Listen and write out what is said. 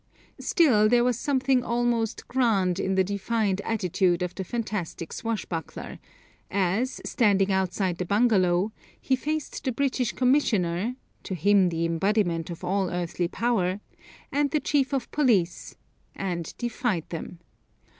Still there was something almost grand in the defiant attitude of the fantastic swashbuckler, as, standing outside the bungalow, he faced the British Commissioner, to him the embodiment of all earthly power, and the chief of police, and defied them.